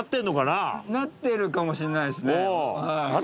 なってるかもしれない。